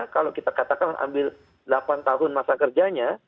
kalau kita katakan ambil delapan tahun masa kerjanya